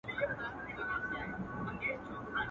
هر څه لاپي چي یې کړي وې پښېمان سو.